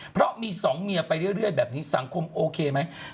เพราะมีสองเมียไปเรื่อยแบบนี้สังคมโอเคไหม